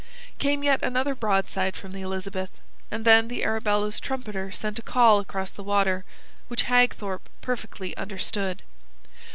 Came yet another broadside from the Elizabeth and then the Arabella's trumpeter sent a call across the water, which Hagthorpe perfectly understood.